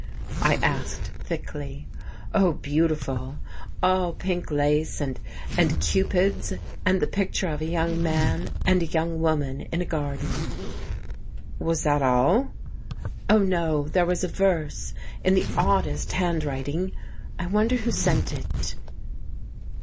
I asked thickly. "Oh, beautiful! All pink lace and and Cupids, and the picture of a young man and a young woman in a garden." "Was that all?" "Oh, no, there was a verse, in the oddest handwriting. I wonder who sent it?"